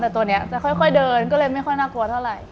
แต่ตัวนี้จะค่อยเดินก็เลยไม่ค่อยน่ากลัวเท่าไหร่